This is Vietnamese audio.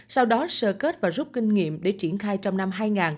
sau đó sơ kết và rút kinh nghiệm để triển khai trong năm hai nghìn hai mươi